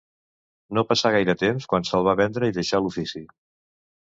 No passà gaire temps quan se'l va vendre i deixà l'ofici.